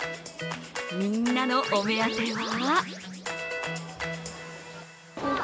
みんなのお目当ては？